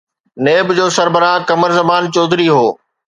NAB جو سربراهه قمر زمان چوڌري هو.